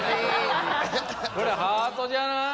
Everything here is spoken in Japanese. ハートじゃない？